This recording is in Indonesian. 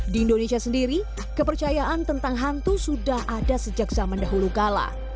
di indonesia sendiri kepercayaan tentang hantu sudah ada sejak zaman dahulu kala